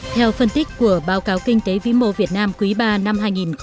theo phân tích của báo cáo kinh tế vĩ mô việt nam quý ba năm hai nghìn hai mươi